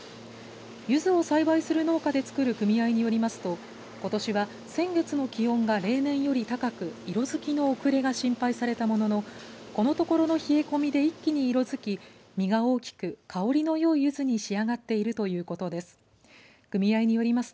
ゆずを栽培する農家でつくる組合によりますとことしは先月の気温が例年より高く色づきの遅れが心配されたもののこのところの冷え込みで一気に色づき実が大きく香りのよいゆずに仕上がっているということです。